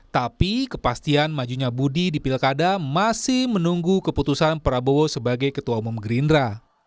tapi kepastian majunya budi di pilkada masih menunggu keputusan prabowo sebagai ketua umum gerindra